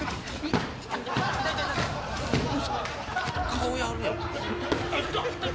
顔やるやん。